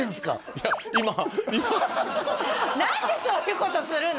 いや今何でそういうことするの？